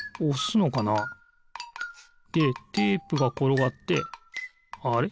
でテープがころがってあれ？